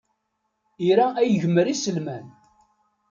Ira ad yegmer iselman.